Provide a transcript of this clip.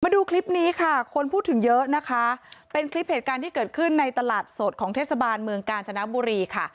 ดูคลิปนี้ค่ะคนพูดถึงเยอะนะคะเป็นคลิปเหตุการณ์ที่เกิดขึ้นในตลาดสดของเทศบาลเมืองกาญจนบุรีค่ะ